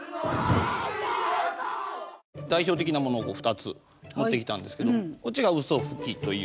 代表的なものを２つ持ってきたんですけどこっちがうそふきという。